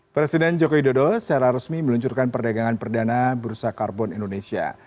presiden joko widodo secara resmi meluncurkan perdagangan perdana bursa karbon indonesia